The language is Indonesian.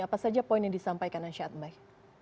apa saja poin yang disampaikan ansyat mbaik